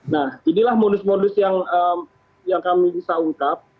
nah inilah modus modus yang kami bisa ungkap